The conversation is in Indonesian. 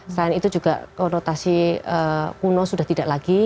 selain itu juga konotasi kuno sudah tidak lagi